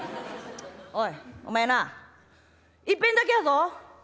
「おいおめえないっぺんだけやぞ」。